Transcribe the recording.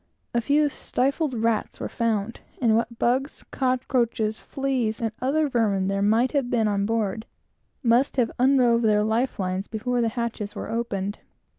A few stifled rats were found; and what bugs, cockroaches, fleas, and other vermin, there might have been on board, must have unrove their life lines before the hatches were opened.